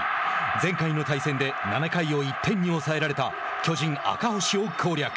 前回の対戦で７回を１点に抑えられた巨人・赤星を攻略。